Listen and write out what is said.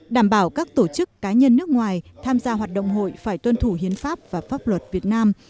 đảm bảo các tổ chức cá nhân nước ngoài tham gia hoạt động hội phải tuân thủ hiến pháp và pháp luật việt nam